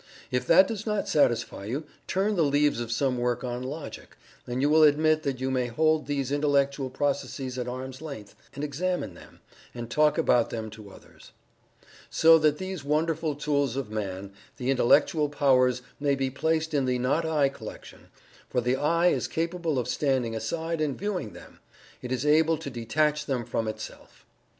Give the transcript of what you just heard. If that does not satisfy you, turn the leaves of some work on Logic, and you will admit that you may hold these intellectual processes at arm's length and examine them, and talk about them to others. So that these wonderful tools of Man the Intellectual powers may be placed in the "not I" collection, for the "I" is capable of standing aside and viewing them it is able to detach them from itself.